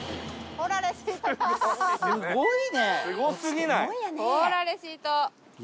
ほらレシート！